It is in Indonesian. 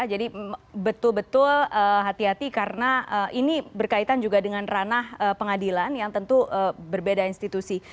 jadi betul betul hati hati karena ini berkaitan juga dengan ranah pengadilan yang tentu berbeda institusi